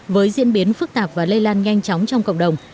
với diễn biến phức tạp và lây lan nhanh chóng trong cộng đồng